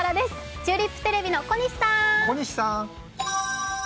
チューリップテレビの小西さん。